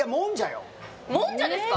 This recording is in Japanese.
もんじゃですか？